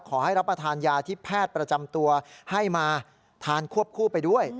รับประทานยาที่แพทย์ประจำตัวให้มาทานควบคู่ไปด้วย